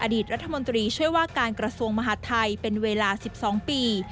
อดีตรัฐมนตรีช่วยว่าการกระทรวงมหาดไทยเป็นเวลา๑๒ปี